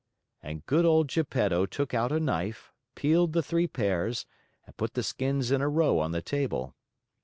And good old Geppetto took out a knife, peeled the three pears, and put the skins in a row on the table.